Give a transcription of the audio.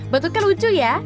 betul kan lucu ya